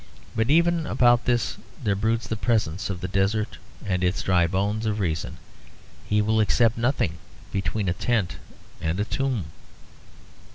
But even about this there broods the presence of the desert and its dry bones of reason. He will accept nothing between a tent and a tomb.